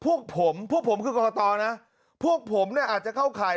พวกผมพวกผมคือกรกตนะพวกผมเนี่ยอาจจะเข้าข่าย